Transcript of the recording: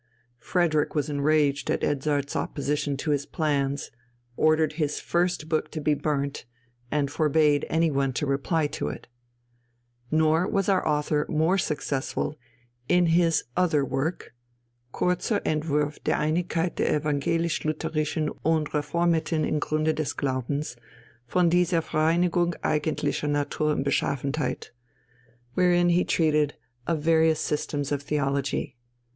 Frederick was enraged at Edzardt's opposition to his plans, ordered his first book to be burnt, and forbade any one to reply to it. Nor was our author more successful in his other work, _Kurtzer Entwurff der Einigkeit der Evangelisch Lutherischen und Reformirten im Grunde des Glaubens: von dieser Vereinigung eigentlicher Natur und Beschaffenheit_, wherein he treated of various systems of theology.